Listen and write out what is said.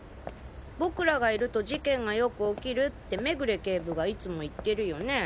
僕らがいると事件がよく起きるって目暮警部がいつも言ってるよね。